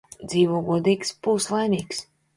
Dzīvo godīgs – būsi laimīgs